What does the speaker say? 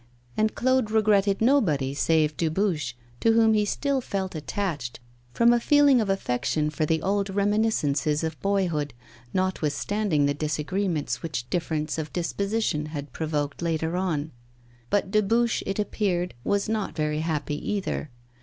And Claude regretted nobody save Dubuche, to whom he still felt attached, from a feeling of affection for the old reminiscences of boyhood, notwithstanding the disagreements which difference of disposition had provoked later on. But Dubuche, it appeared, was not very happy either.